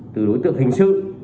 từ đối tượng hình sự